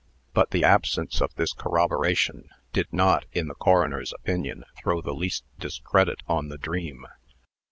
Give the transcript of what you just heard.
But the absence of this corroboration did not, in the coroner's opinion, throw the least discredit on the dream.